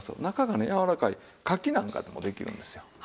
中がねやわらかいカキなんかでもできるんですよ。